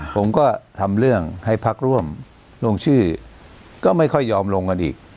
ผมก็ทำเรื่องให้พักร่วมลงชื่อก็ไม่ค่อยยอมลงกันอีก